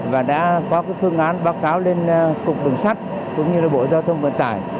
và đã có phương án báo cáo lên cục đường sắt cũng như bộ giao thông vận tải